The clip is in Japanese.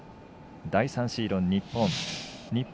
第３シード、日本。